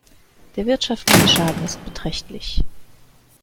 Der wirtschaftliche Schaden ist beträchtlich.